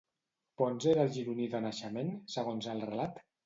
Ponç era gironí de naixement, segons el relat?